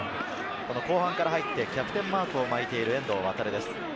後半から入ってキャプテンマークを巻いている遠藤航です。